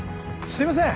すいません。